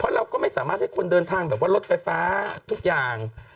เราก็ไม่สามารถให้คนเดินทางแบบว่ารถไฟฟ้าทุกอย่าง